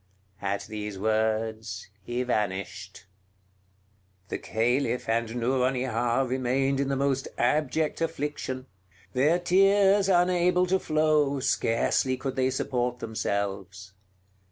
At these words he vanished. The Caliph and Nouronihar remained in the most abject affliction; their tears unable to flow, scarcely could they support themselves.